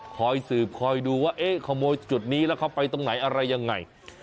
คอยสืบคอยดูว่าเอ๊ะขโมยจุดนี้แล้วเขาไปตรงไหนอะไรยังไง